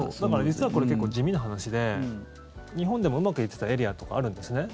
だから実はこれ結構、地味な話で日本でもうまくいってたエリアとかあるんですね。